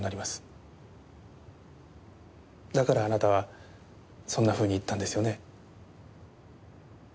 だからあなたはそんなふうに言ったんですよね？